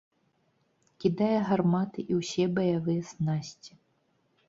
Кідае гарматы і ўсе баявыя снасці.